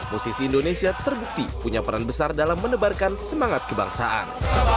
musisi indonesia terbukti punya peran besar dalam menebarkan semangat kebangsaan